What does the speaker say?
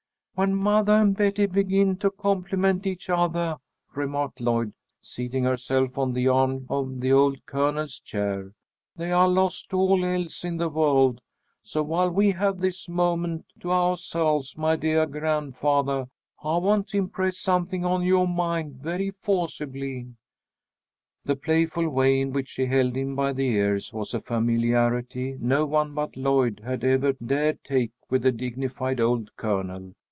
"When mothah and Betty begin to compliment each othah," remarked Lloyd, seating herself on the arm of the old Colonel's chair, "they are lost to all else in the world. So while we have this moment to ou'selves, my deah grandfathah, I want to impress something on yoah mind, very forcibly." The playful way in which she held him by the ears was a familiarity no one but Lloyd had ever dared take with the dignified old Colonel.